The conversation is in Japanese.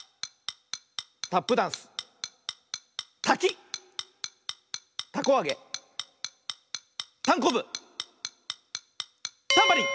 タップダンスたきたこあげたんこぶタンバリン！